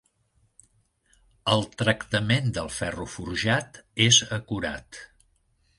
El tractament del ferro forjat és acurat.